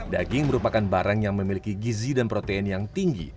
daging merupakan barang yang memiliki gizi dan protein yang tinggi